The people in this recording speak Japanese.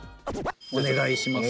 お願いします！